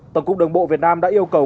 tổng cục đường bộ việt nam đã yêu cầu